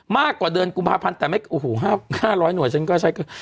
มากกว่าเดือนกุมภาพันธ์แต่ไม่โอ้โห๕๐๐หน่วยฉันก็ใช้เกิน